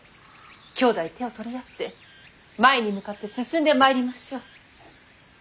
きょうだい手を取り合って前に向かって進んでまいりましょう。